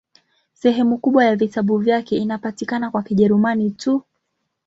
Sehemu kubwa ya vitabu vyake inapatikana kwa Kijerumani tu.